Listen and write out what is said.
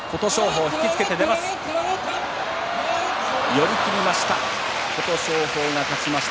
寄り切りました。